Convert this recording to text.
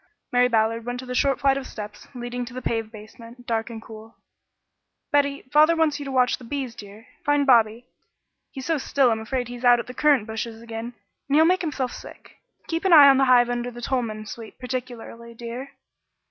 Mary Ballard went to the short flight of steps leading to the paved basement, dark and cool: "Betty, father wants you to watch the bees, dear. Find Bobby. He's so still I'm afraid he's out at the currant bushes again, and he'll make himself sick. Keep an eye on the hive under the Tolman Sweet particularly, dear."